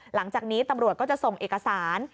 หลังจากนี้ตำรวจก็จะส่งเอกสาร